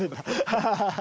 ハハハハハ。